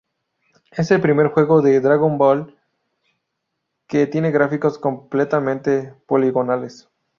Es el primer juego de "Dragon Ball" que tiene gráficos completamente poligonales.